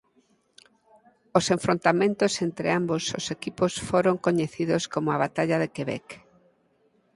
Os enfrontamentos entre ambos os equipos foron coñecidos como a "Batalla de Quebec".